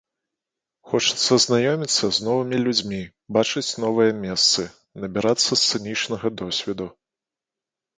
Хочацца знаёміцца з новымі людзьмі, бачыць новыя месцы, набірацца сцэнічнага досведу.